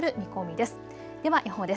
では予報です。